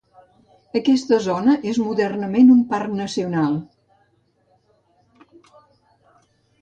Aquesta zona és modernament un parc nacional.